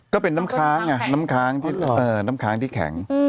เกอร์เป็นน้้ำครั้งอ่ะน้้ำครั้งเอ่อน้้ำครั้งที่แข็ง